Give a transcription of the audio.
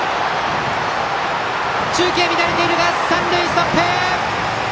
中継乱れているが三塁ストップ。